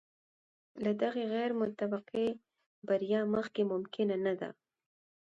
له دغې غیر متوقع بریا مخکې ممکنه نه وه.